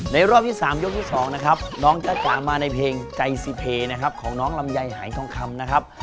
รอบที่๓ยกที่๒นะครับน้องจ๊ะจ๋ามาในเพลงใจสิเพนะครับของน้องลำไยหายทองคำนะครับ